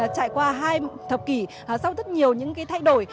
trải qua hai thập kỷ sau rất nhiều những thay đổi